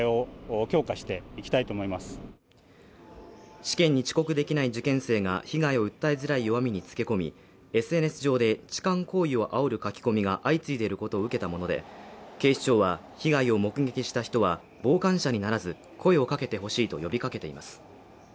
試験に遅刻できない受験生が被害を訴えづらい弱みにつけ込みＳＮＳ上で痴漢行為をあおる書き込みが相次いでいることを受けたもので警視庁は被害を目撃した人は傍観者にならず声をかけてほしいと呼びかけています